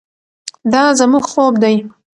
دا زموږ خوب دی.